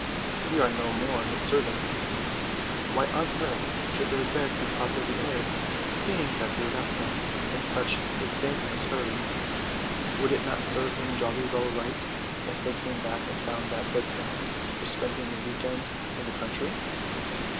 We are no more than servants. Why on earth should their beds be properly aired, seeing that they left them in such a thankless hurry? Would it not serve them jolly well right if they came back and found that their parents were spending the week end in the country?